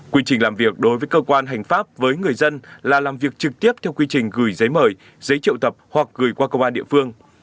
quy trình làm việc đối với cơ quan hành pháp với người dân là làm việc trực tiếp theo quy trình gửi giấy mời giấy triệu tập hoặc gửi qua công an địa phương